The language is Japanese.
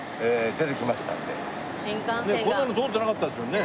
こんなの通ってなかったですもんね。